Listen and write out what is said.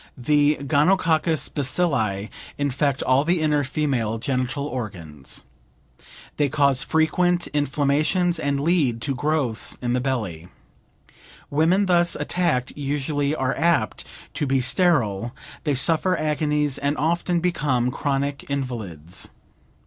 The gonococcus bacilli infect all the inner female genital organs. They cause frequent inflammations and lead to growths in the belly. Women thus attacked usually are apt to be sterile; they suffer agonies, and often become chronic invalids.